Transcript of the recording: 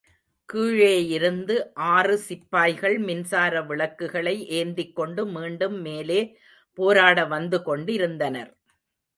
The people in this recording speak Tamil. கீழேயிருந்து ஆறு சிப்பாய்கள் மின்சார விளக்குகளை ஏந்திக் கொண்டு மீண்டும் மேலே போராடவந்து கொண்டிருந்தனர்.